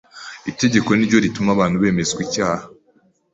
Itegeko ni ryo rituma abantu bemezwa icyaha;